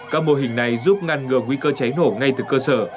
các mô hình này giúp ngăn ngừa nguy cơ cháy nổ ngay từ cơ sở